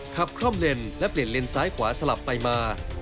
คล่อมเลนและเปลี่ยนเลนซ้ายขวาสลับไปมา